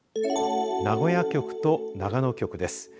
名古屋局と長野局です。